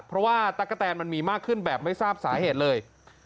เพราะว่าตั๊กกะแตนมันมีมากขึ้นแบบไม่ทราบสาเหตุเลย